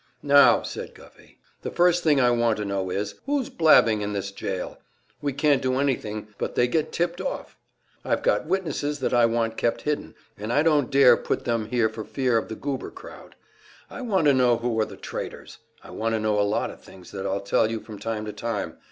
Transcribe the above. "Now," said Guffey, "the first thing I want to know is, who's blabbing in this jail; we can't do anything but they get tipped off. I've got witnesses that I want kept hidden, and I don't dare put them here for fear of the Goober crowd. I want to know who are the traitors. I want to know a lot of things that I'll tell you from time to time.